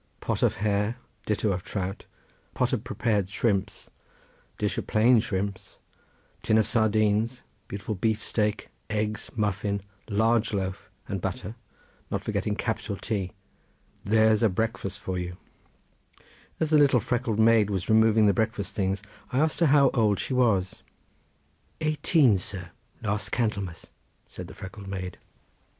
pot of hare; ditto of trout; pot of prepared shrimps; dish of plain shrimps; tin of sardines; beautiful beef steak; eggs, muffin; large loaf, and butter, not forgetting capital tea. There's a breakfast for you! As the little freckled maid was removing the breakfast things I asked her how old she was. "Eighteen, sir, last Candlemas," said the freckled maid.